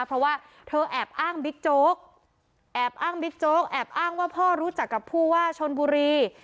เพราะว่าเธอแอบอ้างบิ๊กโจ๊กแอบอ้างบิ๊กโจ๊กแอบอ้างว่าพ่อรู้จักกับผู้ว่าชนบุรี